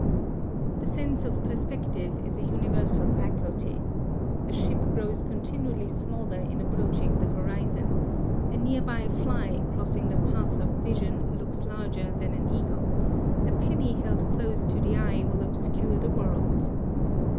The sense of perspective is a universal faculty A ship grows continually smaller in approaching the horizon; a near by fly crossing the path of vision looks larger than an eagle; a penny held close to the eye will obscure the world.